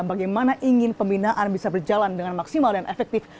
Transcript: bagaimana ingin pembinaan bisa berjalan dengan maksimal dan efektif